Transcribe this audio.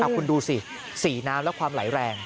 คุณดูสิสีน้ำและความไหลแรง